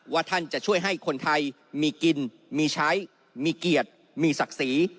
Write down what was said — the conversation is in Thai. ท่านจะช่วยให้คนไทยมีกินมีใช้มีเกียรติมีศักดิ์ศรี